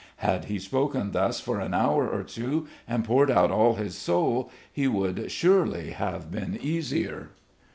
Had he spoken thus for an hour or two and poured out all his soul, he would surely have been easier.